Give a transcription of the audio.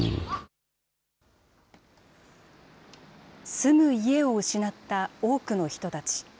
住む家を失った多くの人たち。